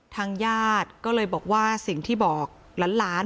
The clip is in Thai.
ทางญาติก็เลยบอกว่าสิ่งที่บอกล้าน